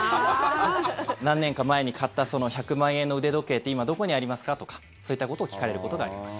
何年か前に買ったその１００万円の腕時計って今どこにありますか？とかそういったことを聞かれることがあります。